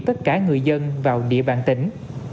tất cả người dân vào địa bàn tỉnh